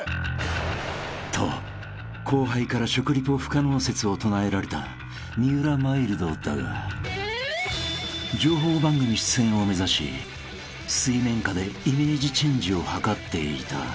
［と後輩から食リポ不可能説を唱えられた三浦マイルドだが情報番組出演を目指し水面下でイメージチェンジをはかっていた］